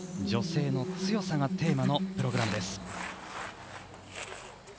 女性の強さがテーマのプログラムです。